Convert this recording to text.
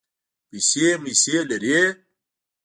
پیسې مېسې لرې.